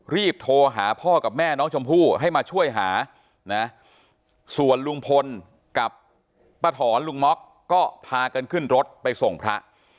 รีบโทรหาพ่อกับแม่น้องชมพู่ให้มาช่วยหานะส่วนลุงพลกับป้าถอนลุงม็อกก็พากันขึ้นรถไปส่งพระ